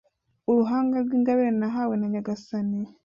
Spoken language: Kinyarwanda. Uruhanga rw’Ingabire nahawe na nyagasani